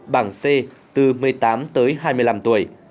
bảng c từ một mươi tám tới hai mươi năm tuổi